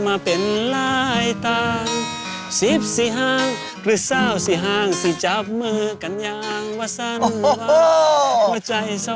มาเปิดรายการวันนี้หล่อมากนะฮะ